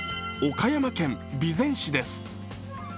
岡山県備前市です。